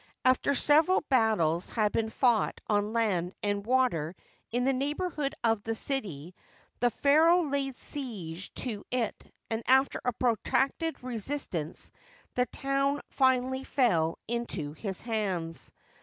After several battles had been fought on land and water in the neighborhood of the city, the pharaoh laid siege to it, and, after a protracted resistance, the town finally fell into his hands.